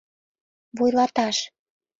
Вуйлаташ